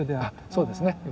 あっそうですね。